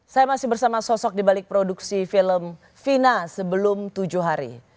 saya masih bersama sosok dibalik produksi film vina sebelum tujuh hari